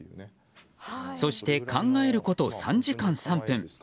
そして考えること３時間３分。